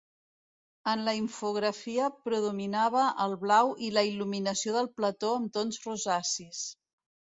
En la infografia predominava el blau i la il·luminació del plató amb tons rosacis.